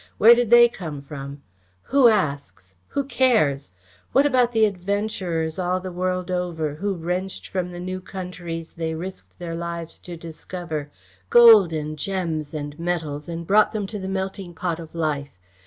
Where did they come from? Who asks? Who cares? What about the adventurers all the world over, who wrenched from the new countries they risked their lives to discover, gold and gems and metals and brought them to the melting pot of life?